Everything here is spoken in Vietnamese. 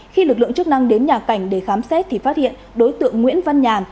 khi lực lượng chức năng đến nhà cảnh để khám xét thì phát hiện đối tượng nguyễn văn nhàn